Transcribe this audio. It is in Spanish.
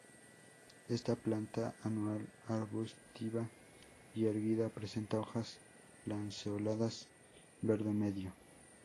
Esta planta anual arbustiva y erguida presenta hojas lanceoladas verde medio.